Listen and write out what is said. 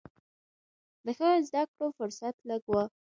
د ښه زده کړو فرصت لږ و.